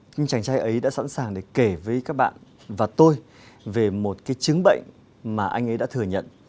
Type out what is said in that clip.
nhưng chàng trai ấy đã sẵn sàng để kể với các bạn và tôi về một cái chứng bệnh mà anh ấy đã thừa nhận